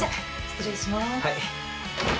失礼します。